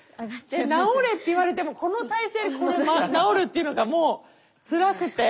直れって言われてもこの体勢で直るっていうのがもうつらくて。